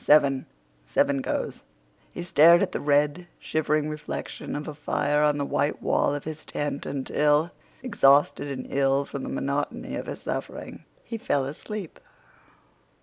"Seven." "Seven goes." He stared at the red, shivering reflection of a fire on the white wall of his tent until, exhausted and ill from the monotony of his suffering, he fell asleep.